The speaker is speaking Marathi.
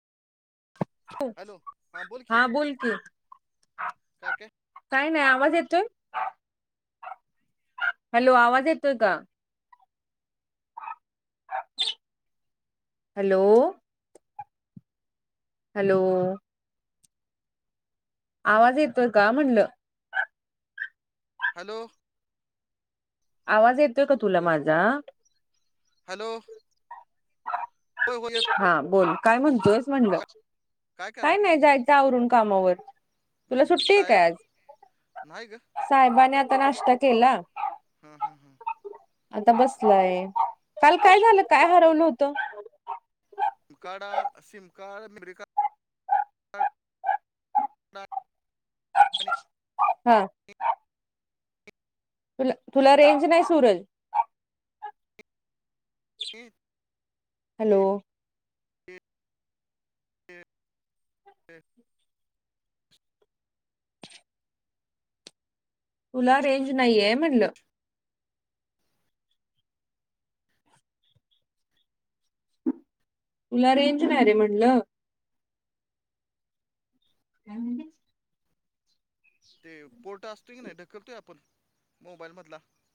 हॅलो बोल की हा बोलते काय काय काय नाही आवाज येतोय? हॅलो आवाज येतोय का? [inaudible] हॅलो. हॅलो. आवाज येतोय का म्हणलं? हॅलो! आवाज येतोय का तुला माझा? हॅलो.... होय होय येत हा बोल काय म्हणतोस म्हणलं... का- कराय काय लागलेस नाही म्हणलं जायचं आवरून कामावर तुला हम्म, हम्म. सुट्टी आहे का साहेब आज? नाही ग साहेबाने आता नाष्टा केला.... हा हा हा आता बसलंय काल हम्म, काय हम्म. झालं काय हरवून होतं... सिम कार्डा सिम कार्ड मेमरी कार्ड... आणि हा... तुला तुला रेंज नाही सूरज.... एक... हॅलो... [unintelligible] तुला स्विच रेंज नाहीये म्हणलं... तुला रेंज नाही रे म्हणलं... काय म्हणजे... ते पोर्टा असतो की नाही ढकलतोय आपण मोबाईल मधला...